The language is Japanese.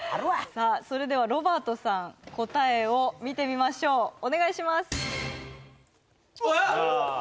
さあそれではロバートさん答えを見てみましょうお願いします・うわ！